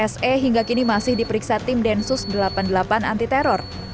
se hingga kini masih diperiksa tim densus delapan puluh delapan anti teror